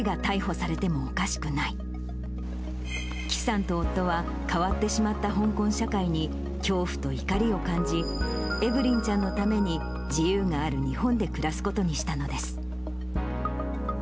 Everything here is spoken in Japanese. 祁さんと夫は、変わってしまった香港社会に恐怖と怒りを感じ、エブリンちゃんのために、自由がある日本で暮らすことにしたのです。